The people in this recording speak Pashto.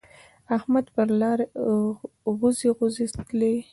احمد پر لار غوزی غوزی تلی.